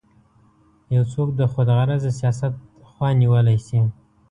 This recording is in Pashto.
یو څوک د خودغرضه سیاست خوا نیولی شي.